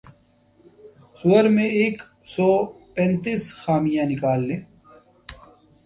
سؤر میں ایک سو پینتیس خامیاں نکال لیں